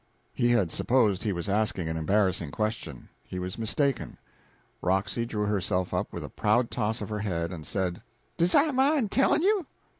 He had supposed he was asking an embarrassing question. He was mistaken. Roxy drew herself up with a proud toss of her head, and said "Does I mine tellin' you?